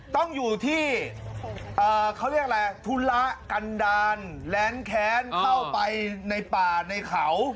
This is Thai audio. ต้องอยู่ที่เขาเรียกอะไรธุระกันดาลแล้นแค้นเข้าไปในป่าในเขา